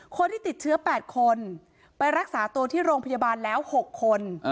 คนที่ติดเชื้อ๘คนไปรักษาตัวที่โรงพยาบาลแล้ว๖คน